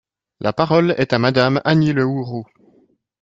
La parole est à Madame Annie Le Houerou.